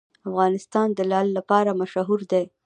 افغانستان د لعل لپاره مشهور دی.